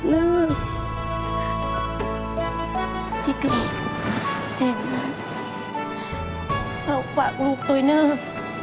เราฝากลูกตัวเนิ่ม